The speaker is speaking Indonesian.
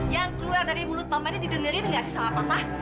yang keluar dari mulut mama ini didengerin nggak sih sama papa